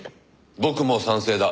僕も賛成だ。